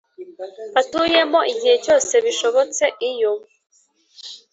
batuyemo Igihe cyose bishobotse iyo